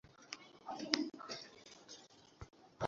মরার পর ঘুমাতে পারবে!